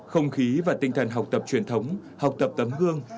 không khí và tinh thần học tập truyền thống học tập tấm gương